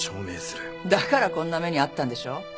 だからこんな目に遭ったんでしょう？